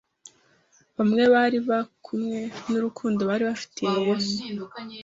bamwe bari bakumwe n'urukundo bari bafitiye Yesu,